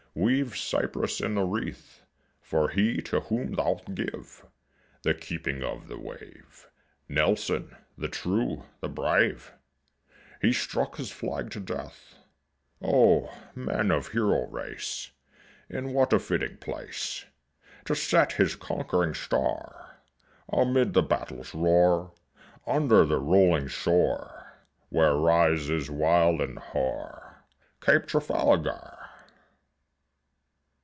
Weave cypress in the wreath: For he to whom thou gave The keeping of the wave, Nelson, the true, the brave, Has struck his flag to death. Oh, men of hero race, In what a fitting place To set his conquering star! Amid the battle's roar, Under the rolling shore Where rises wild and hoar Cape Trafalgar.